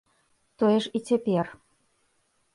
Тое ж і цяпер.